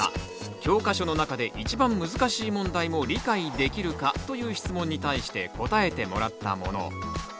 「教科書の中でいちばん難しい問題も理解できるか」という質問に対して答えてもらったもの。